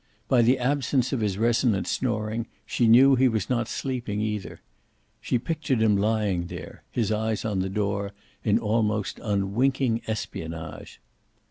By the absence of his resonant snoring she knew he was not sleeping, either. She pictured him lying there, his eyes on the door, in almost unwinking espionage.